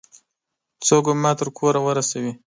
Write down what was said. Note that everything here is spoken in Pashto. څوک به ما تر کوره ورسوي؟